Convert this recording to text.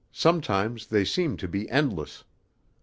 Sometimes they seem to be endless.